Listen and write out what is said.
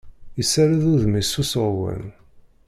Issared udem-is s useɣwen.